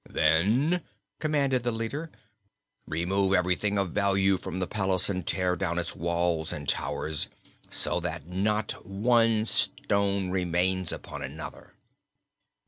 "Then," commanded the leader, "remove everything of value from the palace and tear down its walls and towers, so that not one stone remains upon another!"